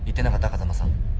風間さん。